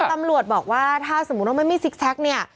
คือตำรวจบอกว่าถ้าสมมุติว่าไม่มีซิกแซคเนี่ย